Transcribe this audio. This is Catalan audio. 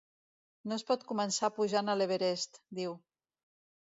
No es pot començar pujant a l’Everest, diu.